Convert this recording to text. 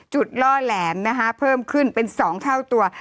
ล่อแหลมนะคะเพิ่มขึ้นเป็น๒เท่าตัว